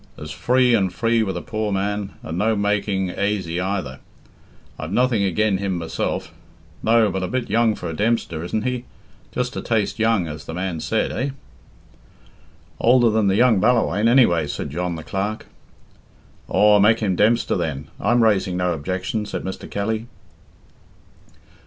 "As free and free with a poor man, and no making aisy either. I've nothing agen him myself. No, but a bit young for a Dempster, isn't he? Just a taste young, as the man said, eh?" "Older than the young Ballawhaine, anyway," said John, the clerk. "Aw, make him Dempster, then. I'm raising no objection," said Mr. Kelly.